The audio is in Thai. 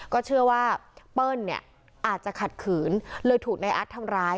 ก็เชื่อว่าเปิ้ลเนี่ยอาจจะขัดขืนเลยถูกในอัดทำร้าย